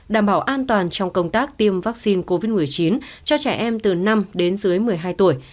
đảm bảo an toàn trong công tác tiêm vaccine covid một mươi chín cho trẻ em từ năm đến dưới một mươi hai tuổi